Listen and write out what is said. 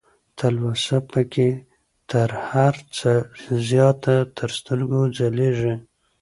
تلوسه پکې تر هر څه زياته تر سترګو ځلېږي